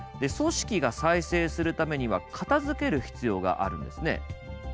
組織が再生するためには片づける必要があるんですね。